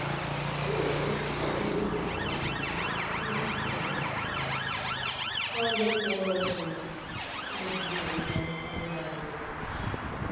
When you have finished the poem you replace the volume and walk to the window. Oh, the poor old world; how dreary and uninviting it looks!